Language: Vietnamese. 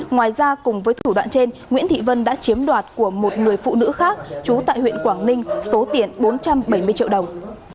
ngoài ra cùng với thủ đoạn trên nguyễn thị vân đã chiếm đoạt của một người phụ nữ khác trú tại huyện quảng ninh số tiền bốn trăm bảy mươi triệu đồng